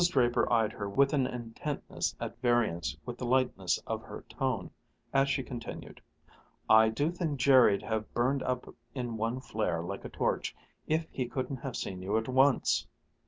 Draper eyed her with an intentness at variance with the lightness of her tone, as she continued: "I do think Jerry'd have burned up in one flare, like a torch, if he couldn't have seen you at once!